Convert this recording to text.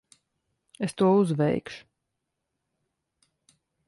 Es to uzveikšu.